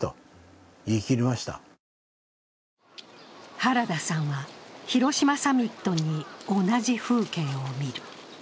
原田さんは、広島サミットに同じ風景を見る。